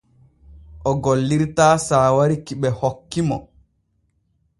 O gollirtaa saawari ki ɓe hokki mo.